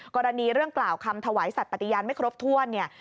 กรณีเรื่องกล่าวคำถวายสัตว์ปฏิญาณไม่ครบถ้วนเนี่ย